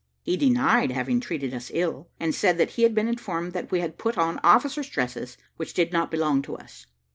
He denied having treated us ill, and said that he had been informed that we had put on officers' dresses which did not belong to us.